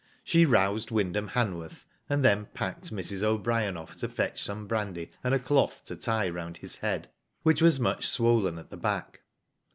She roused Wyndham Han worth, and then packed Mrs. O'Brien off to fetch some brandy and a cloth to tie round his head, which was much swollen at the back.